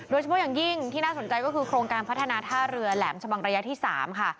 โดยเฉพาะอย่างยิ่งที่น่าสนใจก็คือโครงการพัฒนาท่าเรือแหลมชะบังระยะที่๓ค่ะ